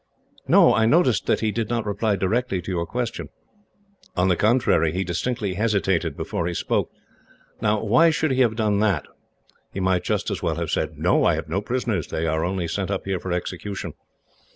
"No; I noticed that he did not reply directly to your question." "On the contrary, he distinctly hesitated before he spoke. Now, why should he have done that? He might just as well have said, 'No, I have no prisoners. They are only sent up here for execution.'